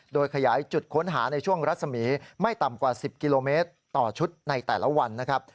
โดยขยายจุดค้นหาในช่วงรัศมีร์ไม่ต่ำกว่า๑๐กิโลเมตรต่อชุดในแต่ละวันนะครับ